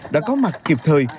đã có mặt kịp thời